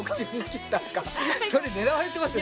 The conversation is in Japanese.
それ狙われてますよ